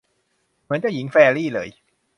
เหมือนเจ้าหญิงแฟรรี่เลย